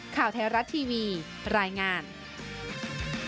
ไปเต็บบ้านต่อแล้ว